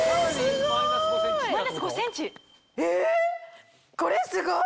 えっ！